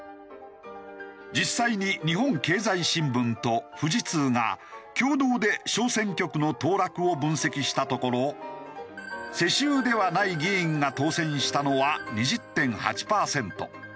実際に日本経済新聞と富士通が共同で小選挙区の当落を分析したところ世襲ではない議員が当選したのは２０．８パーセント。